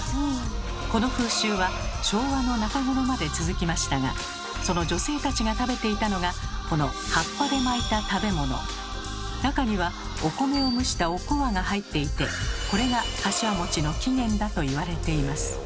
この風習は昭和の中頃まで続きましたがその女性たちが食べていたのがこの中にはお米を蒸したおこわが入っていてこれがかしわの起源だと言われています。